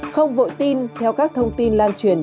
không vội tin theo các thông tin lan truyền